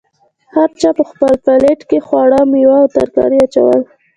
هر چا په خپل پلیټ کې خواړه، میوه او ترکاري اچول.